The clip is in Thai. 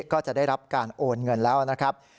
ก็จะได้รับการโอนเงินแล้วนะครับ